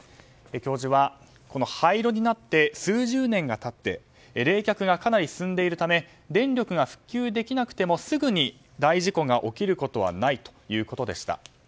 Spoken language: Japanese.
教授は廃炉になって数十年が経って冷却がかなり進んでいるため電力が復旧できなくてもすぐに大事故が起きることはないということでした。